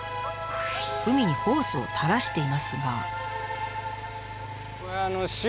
海にホースを垂らしていますが。